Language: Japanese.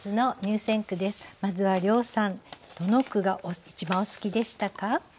まずは涼さんどの句が一番お好きでしたか？